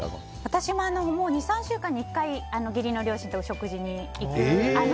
私も２３週間に１回義理の両親とお食事に行くんですけど。